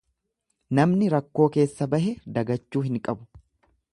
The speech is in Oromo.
Namni rakkoo keessa bahe dagachuu hin qabu.